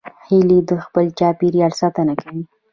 هیلۍ د خپل چاپېریال ساتنه کوي